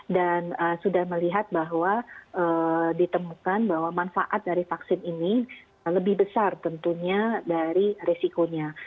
dan sudah melihat bahwa ditemukan bahwa manfaat dari vaksin ini lebih besar tentunya dari resikonya